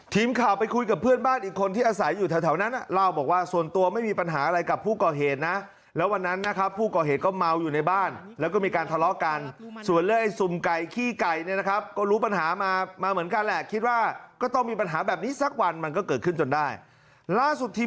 ทีมข่าวไปคุยกับเพื่อนบ้านอีกคนที่อาศัยอยู่แถวนั้นเล่าบอกว่าส่วนตัวไม่มีปัญหาอะไรกับผู้ก่อเหตุนะแล้ววันนั้นนะครับผู้ก่อเหตุก็เมาอยู่ในบ้านแล้วก็มีการทะเลาะกันส่วนเรื่องไอ้สุ่มไก่ขี้ไก่เนี่ยนะครับก็รู้ปัญหามามาเหมือนกันแหละคิดว่าก็ต้องมีปัญหาแบบนี้สักวันมันก็เกิดขึ้นจนได้ล่าสุดทีม